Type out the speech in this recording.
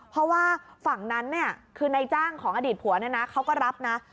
เพราะว่าฝั่งนั้นเนี่ยคือในจ้างของอดีตผัวเนี่ยนะเขาก็รับนะ